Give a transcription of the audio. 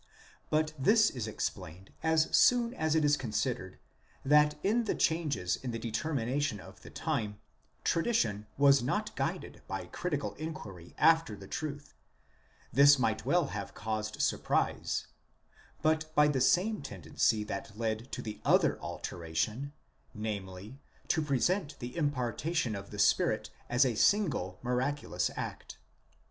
But this is explained as soon as it is considered, that in the changes in the determination of the time, tradition was not guided by critical inquiry after truth—this might well have caused surprise,—but by the same tendency that led to the other alteration, namely, to present the impartation of the Spirit as a single miraculous act.